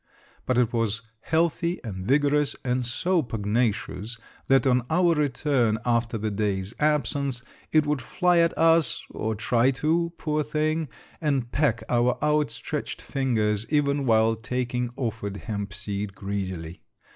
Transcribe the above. But it was healthy and vigorous, and so pugnacious that on our return, after the day's absence, it would fly at us, or try to, poor thing, and peck our outstretched fingers, even while taking offered hemp seed greedily.